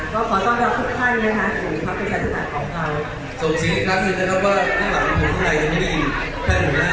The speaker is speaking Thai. ก็ขอต้อนรับทุกท่านนะคะฝีเขาเป็นพระศัตรูภัณฑ์ของเรา